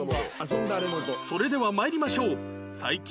それでは参りましょう